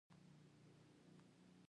لومړي شرک سېمبولیکو چارو اکتفا کوي.